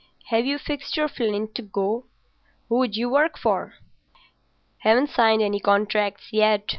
Have you fixed your flint to go? Who d'you work for?" "Haven't signed any contracts yet.